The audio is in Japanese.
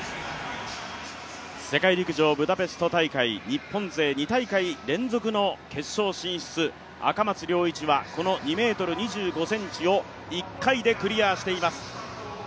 世界陸上ブダペスト大会、日本勢２大会連続の決勝進出、赤松諒一はこの２ｍ２５ｃｍを１回でクリアしています。